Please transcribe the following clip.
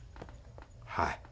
はい。